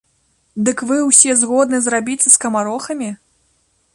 Дык вы ўсе згодны зрабіцца скамарохамі?